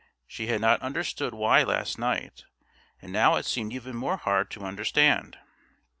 She had not understood why last night, and now it seemed even more hard to understand.